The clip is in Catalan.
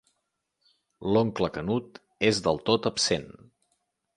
L'oncle Canut és del tot absent.